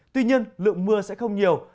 tuy nhiên lượng mưa sẽ không nhiều